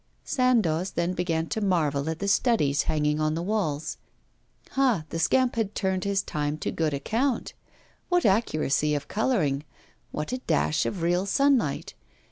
Sandoz then began to marvel at the studies hanging on the walls. Ha, the scamp had turned his time to good account! What accuracy of colouring! What a dash of real sunlight!